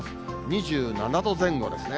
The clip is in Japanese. ２７度前後ですね。